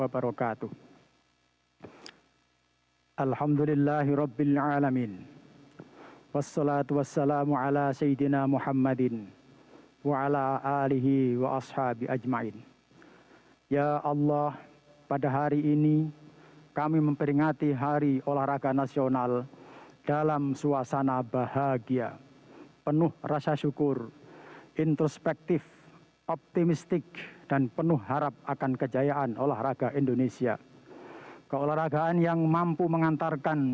prof dr tandio rahayu rektor universitas negeri semarang yogyakarta